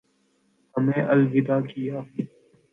ہمیں الوداع کیا